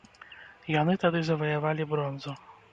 Яны тады заваявалі бронзу.